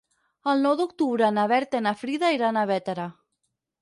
El nou d'octubre na Berta i na Frida iran a Bétera.